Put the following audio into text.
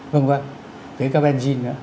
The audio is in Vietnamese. vân vân kể cả benzene nữa